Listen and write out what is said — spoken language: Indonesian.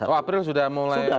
oh april sudah mulai